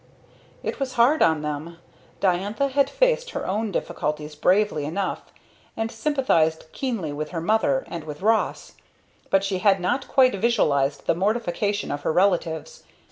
_" It was hard on them. Diantha had faced her own difficulties bravely enough; and sympathized keenly with her mother, and with Ross; but she had not quite visualized the mortification of her relatives.